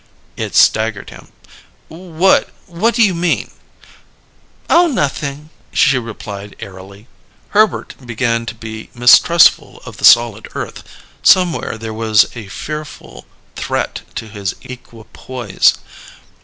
It staggered him. "What what do you mean?" "Oh, nothin'," she replied airily. Herbert began to be mistrustful of the solid earth: somewhere there was a fearful threat to his equipoise.